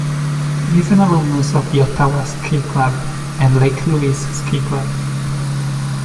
He is an alumnus of the Ottawa Ski Club and Lake Louise Ski Club.